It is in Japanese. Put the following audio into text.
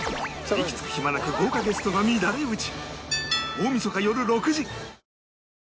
息つく暇なく豪華ゲストが乱れ打ち